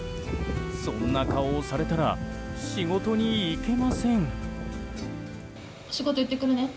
そんな顔をされたら仕事に行けません。